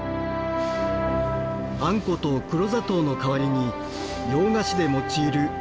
あんこと黒砂糖の代わりに洋菓子で用いる栗を使ったのです。